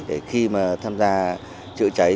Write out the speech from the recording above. để khi mà tham gia chữa cháy